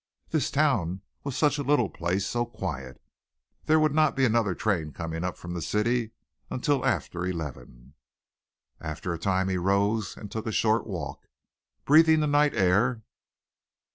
This town was such a little place so quiet. There would not be another train coming up from the city until after eleven. After a time he rose and took a short walk, breathing the night air.